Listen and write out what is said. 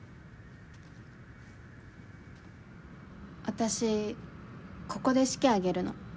私ここで式挙げるの。